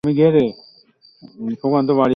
আমি খুশি যে তুমি দেরী করেছো।